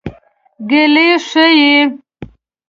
ګیلې ښيي.